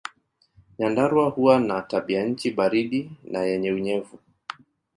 Nyandarua huwa na tabianchi baridi na yenye unyevu.